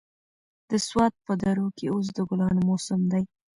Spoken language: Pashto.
د سوات په درو کې اوس د ګلانو موسم دی.